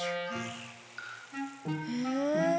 へえ。